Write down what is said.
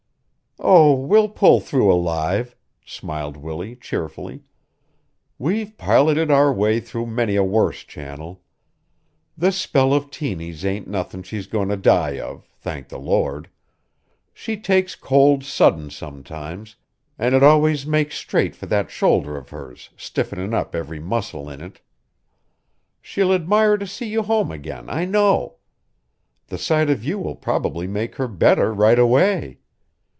"Oh, we'll pull through alive," smiled Willie, cheerfully. "We've piloted our way through many a worse channel. This spell of Tiny's ain't nothin' she's goin' to die of, thank the Lord! She takes cold sudden sometimes, an' it always makes straight for that shoulder of hers, stiffenin' up every muscle in it. She'll admire to see you home again, I know. The sight of you will probably make her better right away.